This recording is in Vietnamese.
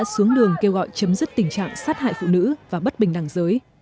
sử dụng xăng